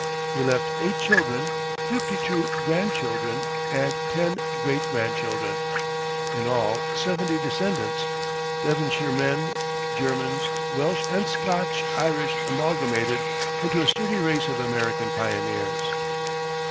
He left eight children, fifty two grandchildren, and ten great grandchildren in all, seventy descendants: Devonshire men, Germans, Welsh, and Scotch Irish amalgamated into a sturdy race of American pioneers.